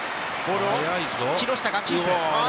木下がキープ。